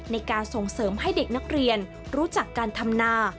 ในการส่งเสริมให้เด็กนักเรียนรู้จักการทำนา